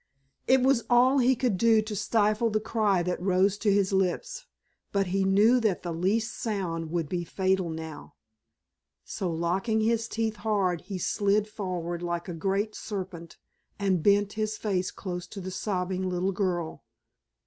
It was all he could do to stifle the cry that rose to his lips, but he knew that the least sound would be fatal now, so locking his teeth hard he slid forward like a great serpent and bent his face close to the sobbing little girl.